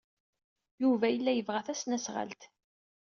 Yuba yella yebɣa tasnasɣalt.